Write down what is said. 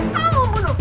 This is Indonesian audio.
kau mau membunuhku